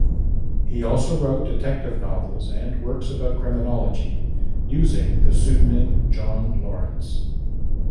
He also wrote detective novels and works about criminology using the pseudonym John Laurence.